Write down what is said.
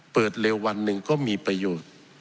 เปิดเร็ววันหนึ่งก็มีประโยชน์